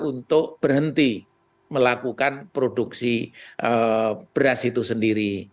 untuk berhenti melakukan produksi beras itu sendiri